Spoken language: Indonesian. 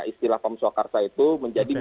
istilah pam swakarsa itu menjadi